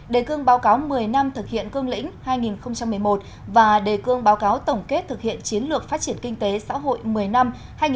đề cương báo cáo một mươi năm thực hiện cương lĩnh hai nghìn một mươi một và đề cương báo cáo tổng kết thực hiện chiến lược phát triển kinh tế xã hội một mươi năm hai nghìn một mươi một hai nghìn một mươi